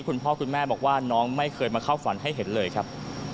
คุณพ่อคุณแม่บอกว่าน้องไม่เคยมาเข้าฝันให้เห็นเลยครับ